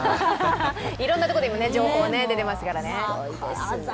いろいろなところで情報が出てますからね。